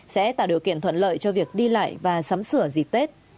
sẽ tạo điều kiện thuận lợi cho việc đi lại và sắm sửa dịp tết